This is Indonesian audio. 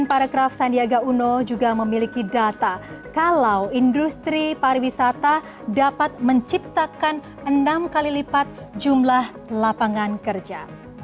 dan para kraft sandiaga uno juga memiliki data kalau industri pariwisata dapat menciptakan enam kali lipat jumlah lapangan kerja